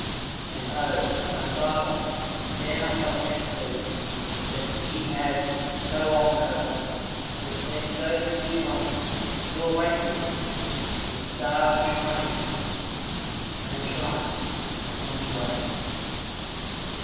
And O, my Father, now I thank thee that it has so often opened, to receive those dear ones who await me!" And the star was shining; and it shines upon his grave.